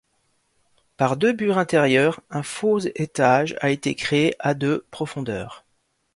Par deux bures intérieurs, un faux-étage a été créé à de profondeur.